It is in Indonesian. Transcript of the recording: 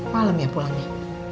malam ya pulangnya